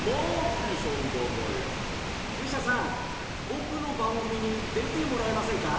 ぼくのばんぐみにでてもらえませんか？